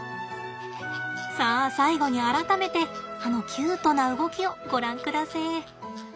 さあ最後に改めてあのキュートな動きをご覧くだせえ。